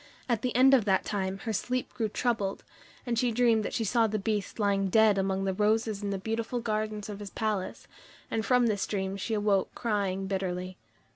At the end of that time her sleep grew troubled, and she dreamed that She saw the Beast lying dead among the roses in the beautiful gardens of his palace; and from this dream she awoke crying bitterly.